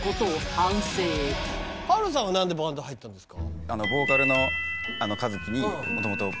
反省春さんは何でバンド入ったんですか？